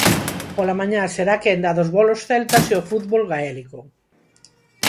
Pola mañá será a quenda dos bolos celtas e o fútbol gaélico.